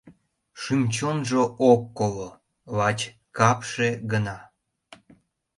Шӱм-чонжо ок коло, лач капше гына...